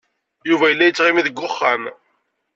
Yuba yella yettɣimi deg wexxam.